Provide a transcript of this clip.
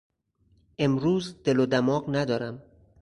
امروز دل ودماغ ندارم.